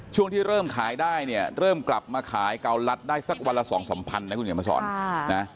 ช่วงที่เริ่มขายได้เนี่ยเริ่มกลับมาขายเกาลัดได้สักวันละ๒๓พันนะคุณเขียนมาสอน